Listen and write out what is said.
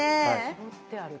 絞ってある。